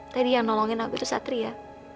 tadi yang nolongin aku itu satria